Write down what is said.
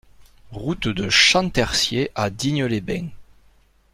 Route de Champtercier à Digne-les-Bains